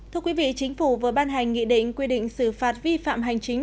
thưa quý vị chính phủ vừa ban hành nghị định quy định xử phạt vi phạm hành chính